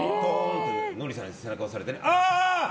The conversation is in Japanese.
ノリさんに背中押されてああー！